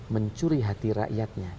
mencuri hati rakyatnya